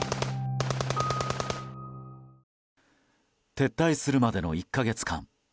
撤退するまでの１か月間。